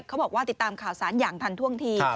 เขาบอกว่าติดตามข่าวสารอย่างทันท่วงที